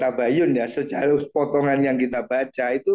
ya di lumpak tabayun ya sejarah potongan yang kita baca itu